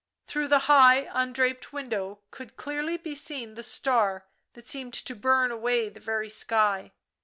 Through the high, undraped window could clearly be seen the star that seemed to burn away the very sky.